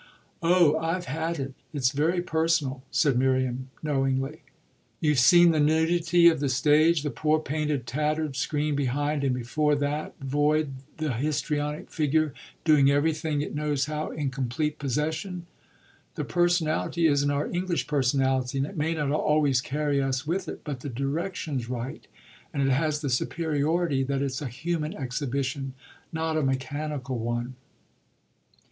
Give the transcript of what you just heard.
"Oh I've had it; it's very personal!" said Miriam knowingly. "You've seen the nudity of the stage, the poor, painted, tattered screen behind, and before that void the histrionic figure, doing everything it knows how, in complete possession. The personality isn't our English personality and it may not always carry us with it; but the direction's right, and it has the superiority that it's a human exhibition, not a mechanical one."